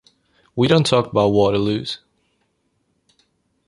We don't talk about Waterloos.